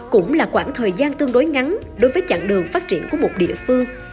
cũng là khoảng thời gian tương đối ngắn đối với chặng đường phát triển của một địa phương